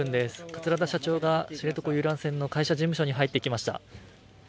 桂田社長が知床遊覧船の会社事務所に入っていきました。